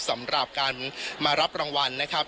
สำหรับการมารับรางวัลนะครับ